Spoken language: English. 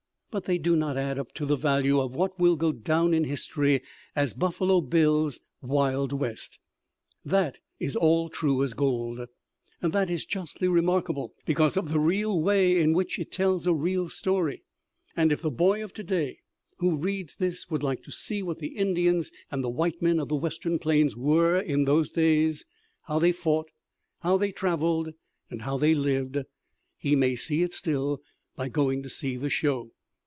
But they do not add to the value of what will go down in history as "Buffalo Bill's Wild West." That is all true as gold. That is justly remarkable because of the real way in which it tells a real story, and if the boy of to day who reads this would like to see what the Indians and the white men of the Western plains were in those days, how they fought, how they traveled, and how they lived, he may see it still by going to see the show.